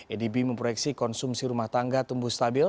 adb memproyeksi konsumsi rumah tangga tumbuh stabil